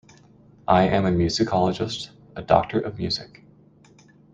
I am a musicologist, a doctor of music.